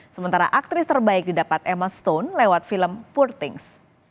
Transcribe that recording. sementara aktris terbaik didapat emma stone lewat film purtings